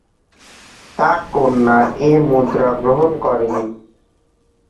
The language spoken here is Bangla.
তার কন্যা এ মুদ্রা গ্রহণ করেন নি।